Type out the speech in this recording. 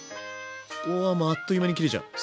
うわもうあっという間に切れちゃう。